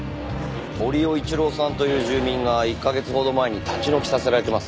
堀尾一郎さんという住人が１カ月ほど前に立ち退きさせられてます。